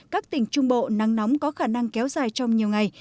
các tỉnh trung bộ nắng nóng có khả năng kéo dài trong nhiều ngày